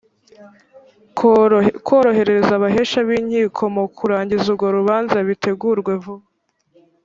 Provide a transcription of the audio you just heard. korohereza abahesha b’inkiko mu kurangiza urwo rubanza bitegurwe vuba.